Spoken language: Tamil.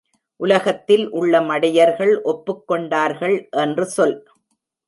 உலகத்தில் உள்ள மடையர்கள் ஒப்புக் கொண்டார்கள் என்று சொல்.